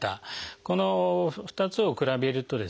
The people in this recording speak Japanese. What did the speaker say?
この２つを比べるとですね